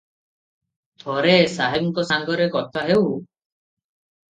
ଥରେ ସାହେବଙ୍କ ସଙ୍ଗରେ କଥାହେଉ ।